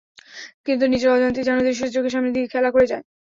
কিন্তু নিজের অজান্তেই যেন দৃশ্যটি চোখের সামনে দিয়ে খেলা করে যায়।